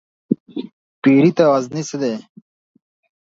پيري ته غزنى څه دى ؟